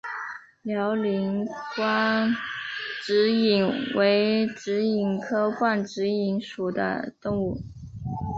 辽宁冠蛭蚓为蛭蚓科冠蛭蚓属的动物。